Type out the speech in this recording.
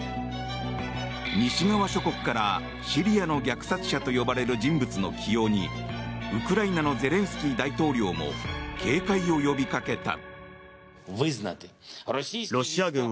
西側諸国からシリアの虐殺者と呼ばれる人物の起用にウクライナのゼレンスキー大統領も警戒を呼びかけた。